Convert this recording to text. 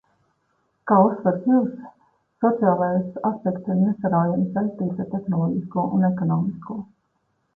Kā uzsver Hjūzs sociālais aspekts ir nesaraujami saistīts ar tehnoloģisko un ekonomisko.